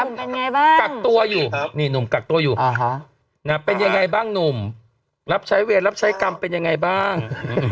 หนุ่มเป็นยังไงบ้างนี่หนุ่มกักตัวอยู่เป็นยังไงบ้างหนุ่มรับใช้เวียร์รับใช้กรรมเป็นยังไงบ้าง